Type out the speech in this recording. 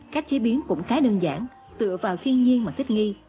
cách chế biến cũng khá đơn giản tựa vào thiên nhiên mà thích nghi